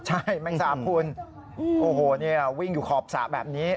ใช่แมลงสาบพุนอืมโอ้โหเนี้ยวิ่งอยู่ขอบสระแบบนี้